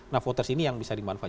nah voters ini yang bisa dimanfaatkan